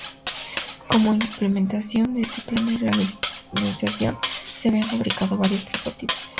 Como implementación de este plan de racionalización, se habían fabricado varios prototipos.